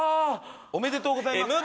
おめでとうございます。